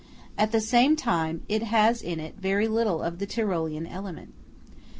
At the same time, it has in it very little of the Tyrolean element.